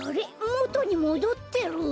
もとにもどってる？